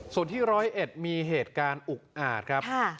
ส่วนที่๑๐๑มีเหตุการณ์อุกอาจครับ